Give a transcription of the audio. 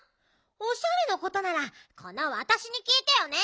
おしゃれのことならこのわたしにきいてよね。